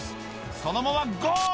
そのままゴール！」